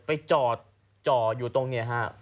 ไปจอดจออยู่ตรงเนี่ยฮะ